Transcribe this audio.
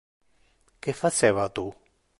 Que faceva tu?